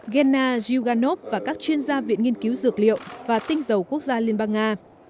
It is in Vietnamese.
gena zhuganov và các chuyên gia viện nghiên cứu dược liệu và tinh dầu quốc gia liên bang nga